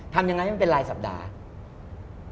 ทำยังไงให้มันเป็นรายสัปดาห์